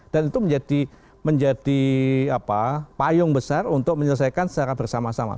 dan itu menjadi apa payung besar untuk menyelesaikan secara bersama sama